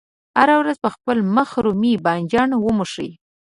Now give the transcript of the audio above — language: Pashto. هره ورځ په خپل مخ رومي بانجان وموښئ.